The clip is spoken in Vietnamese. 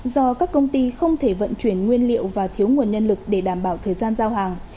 do các công ty không thể vận chuyển nguyên liệu và thiếu nguồn nhân lực để đảm bảo thời gian giao hàng